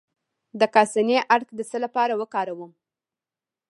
د کاسني عرق د څه لپاره وکاروم؟